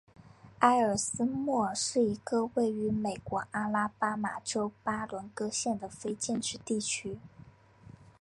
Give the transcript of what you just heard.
埃克斯莫尔是一个位于美国阿拉巴马州马伦戈县的非建制地区。